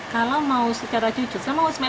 kalau mau secara jujur saya mau ismail kembali